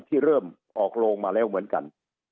ที่เริ่มออกโรงมาแล้วเหมือนกัน